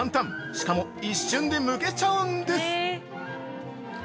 しかも一瞬でむけちゃうんです。